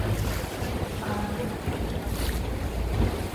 Ҡан...